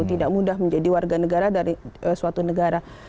tidak mudah menjadi warga negara dari suatu negara